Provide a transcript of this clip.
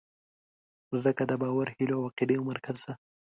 مځکه د باور، هیلو او عقیدې مرکز ده.